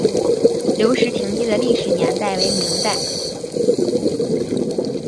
留石亭记的历史年代为明代。